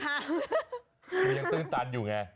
คือยังตื้นตันอยู่ไง